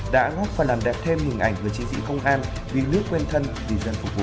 đã góp phần làm đẹp thêm hình ảnh người chiến sĩ công an vì nước quên thân vì dân phục vụ